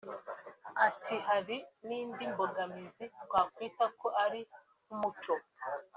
Ati “Hari n’indi mbogamizi twakwita ko ari nk’umuco